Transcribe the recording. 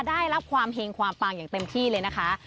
ได้รับความเห็งความปังอย่างเต็มที่เลยนะคะ